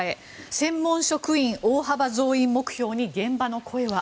専門職員大幅増員目標に現場の声は。